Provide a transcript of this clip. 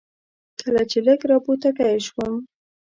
کله چې لږ را بوتکی شوم.